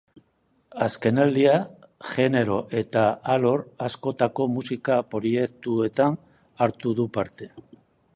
Azkenaldian, genero eta alor askotako musika proiektuetan hartu du parte.